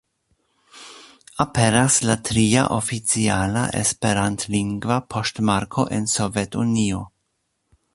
Aperas la tria oficiala esperantlingva poŝtmarko en Sovetunio.